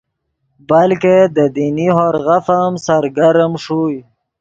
بلکہ دے دینی ہورغف ام سرگرم ݰوئے